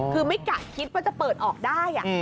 คือไม่กะคิดว่าจะเปิดออกได้